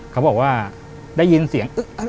เขาบอกว่าได้ยินเสียง